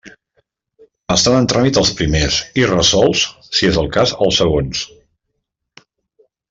Estan en tràmit els primers i resolts, si és el cas, els segons.